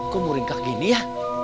kok muringkak gini ya